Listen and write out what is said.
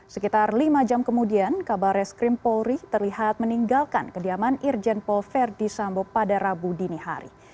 sekitar lima jam kemudian kabar reskrim polri terlihat meninggalkan kediaman irjen pol verdi sambo pada rabu dini hari